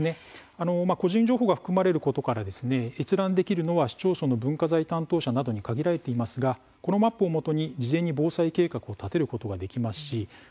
個人情報が含まれていますので閲覧できるのは市町村の文化財担当者などに限られているんですけれどもこのマップを基に事前に防災計画を立てることができますしいざ